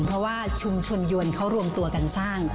เพราะว่าชุมชนยวนเขารวมตัวกันสร้าง